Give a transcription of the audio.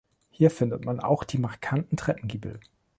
Hier findet man auch die markanten Treppengiebel.